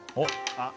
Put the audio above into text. あっ！